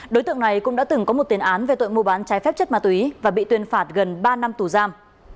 đối tượng này cũng đã từng có một tiền án về tội mua bán trái phép chất ma túy và bị tuyên phạt gần ba năm tù giam